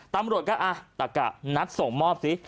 ตำรวจก็อ่ะตะกะนัดส่งมอบซิ